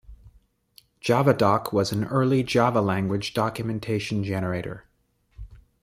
Javadoc was an early Java language documentation generator.